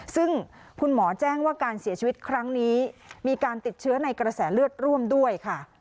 ซึ่งคุณหมอแจ้งว่าการเสียชีวิตครั้งนี้มีการติดเชื้อในกระแสเลือดร่วมด้วยค่ะ